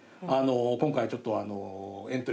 今回ちょっと。